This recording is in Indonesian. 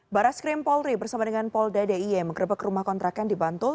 baras krim polri bersama dengan pol ddi yang menggerbek rumah kontrakan di bantul